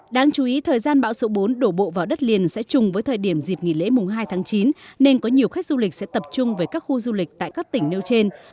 đáng chú ý thời gian bão số bốn đổ bộ vào đất liền sẽ chung với thời điểm dịp nghỉ lễ mùng hai tháng chín nên có nhiều khách du lịch sẽ tập trung về các khu du lịch tại các tỉnh nêu trên